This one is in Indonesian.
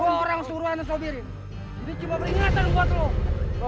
gue orang suruhanes sobiri jadi cuma beringatan buat lo